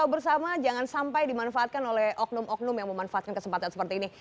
kita bersama jangan sampai dimanfaatkan oleh oknum oknum yang memanfaatkan kesempatan seperti ini